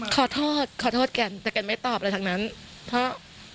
ขอโทษขอโทษกันแต่แกนไม่ตอบอะไรทั้งนั้นเพราะ